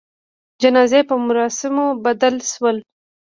جنازې په مراسموبدل سول.